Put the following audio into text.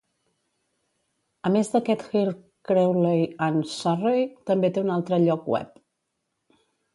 A més d'aquest Heart Crawley and Surrey, també té un altre lloc web.